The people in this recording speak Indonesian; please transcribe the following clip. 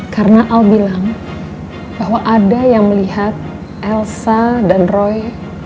karena al bilang bahwa ada yang melihat elsa dan roy